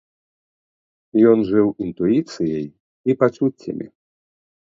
Ён жыў інтуіцыяй і пачуццямі.